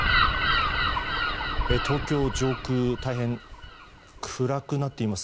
東京上空大変、暗くなっています。